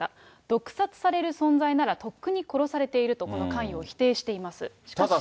毒殺される存在なら、とっくに殺されていると、この関与を否定しています。